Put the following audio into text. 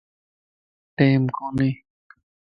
ٽيم ڪوني